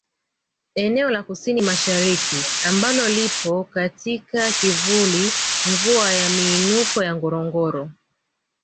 Eneo la KusiniMashariki ambalo lipo katika kivuli mvua ya miinuko ya Ngorongoro